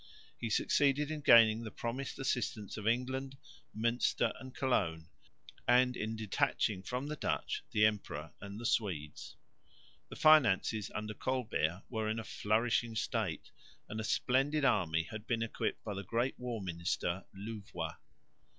He succeeded in gaining the promised assistance of England, Münster and Cologne, and in detaching from the Dutch the Emperor and the Swedes. The finances under Colbert were in a flourishing state, and a splendid army had been equipped by the great war minister, Louvois.